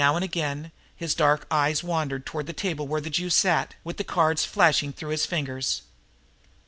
Now and again his dark eyes wandered toward the table where the Jew sat, with the cards flashing through his fingers.